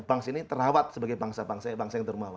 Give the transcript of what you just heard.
bangsa ini terawat sebagai bangsa bangsa yang terbawa